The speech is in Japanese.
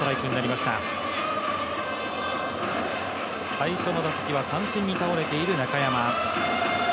最初の打席は三振に倒れている中山。